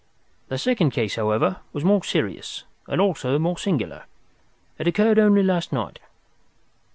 "The second case, however, was more serious, and also more singular. It occurred only last night.